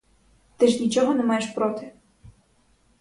Ти ж нічого не маєш проти?